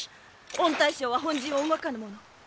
御大将は本陣を動かぬもの